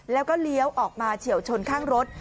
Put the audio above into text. แล้วก็เลี้ยวออกมาเฉียวชนข้างรถ